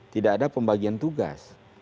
tidak ada pembagian tugas